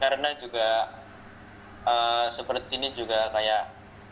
karena juga seperti ini juga kayak